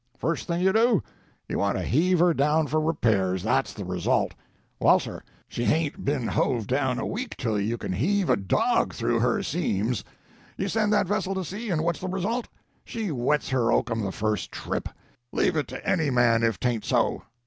First thing you do, you want to heave her down for repairs that's the result! Well, sir, she hain't been hove down a week till you can heave a dog through her seams. You send that vessel to sea, and what's the result? She wets her oakum the first trip! Leave it to any man if 'tain't so.